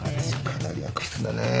かなり悪質だね。